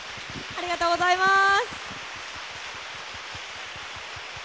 ありがとうございます。